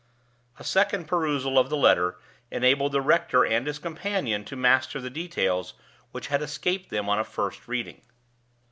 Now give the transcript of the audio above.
A second perusal of the letter enabled the rector and his companion to master the details which had escaped them on a first reading.